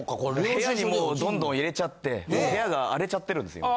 部屋にもうどんどん入れちゃって部屋が荒れちゃってるんですよ。